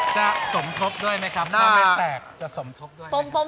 จะสมทบด้วยไหมครับถ้าไม่แตกจะสมทบด้วยไหมครับ